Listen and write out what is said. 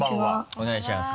お願いします。